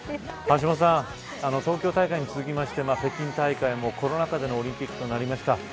橋下さん、東京大会に続きまして北京大会もコロナ禍でのオリンピックとなりました。